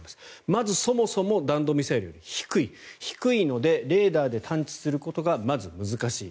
まずそもそも弾道ミサイル、低い低いのでレーダーで探知することがまず、難しい。